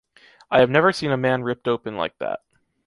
I have never seen a man ripped open like that.